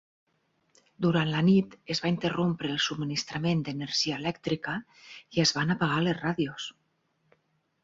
Durant la nit, es va interrompre el subministrament d'energia elèctrica i es van apagar les ràdios.